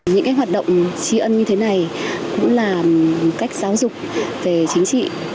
những cái hoạt động trí ơn như thế này cũng là một cách giáo dục về chính trị